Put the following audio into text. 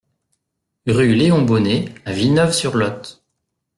Rue Léon Bonnet à Villeneuve-sur-Lot